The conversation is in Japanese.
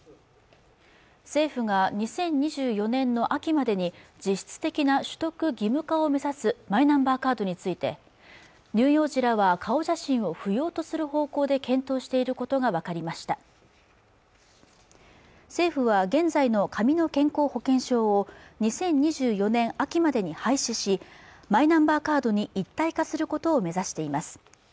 政府が２０２４年の秋までに実質的な取得義務化を目指すマイナンバーカードについて乳幼児らは顔写真を不要とする方向で検討していることが分かりました政府は現在の紙の健康保険証を２０２４年秋までに廃止しマイナンバーカードに一体化することを目指しています